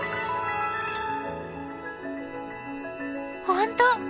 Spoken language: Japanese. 本当！